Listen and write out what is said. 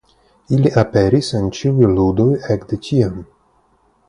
Ili aperis en ĉiuj ludoj ekde tiam.